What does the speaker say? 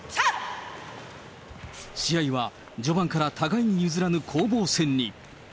試合は序盤から互いに譲らぬ攻防戦に。